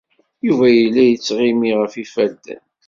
Yuba yella yettɣimi ɣef yifadden.